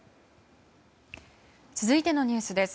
続いてのニュースです。